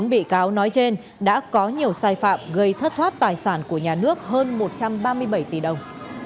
bốn bị cáo nói trên đã có nhiều sai phạm gây thất thoát tài sản của nhà nước hơn một trăm ba mươi bảy tỷ đồng